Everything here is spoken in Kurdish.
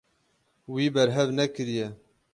Wî berhev nekiriye.